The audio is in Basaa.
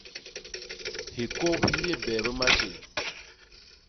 Hikôp hi yé bee bi matjél.